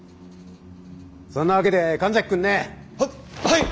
そんなわけで神崎君ね。ははい！